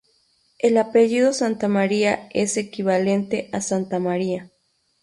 El apellido Santamaría es equivalente a Santa María.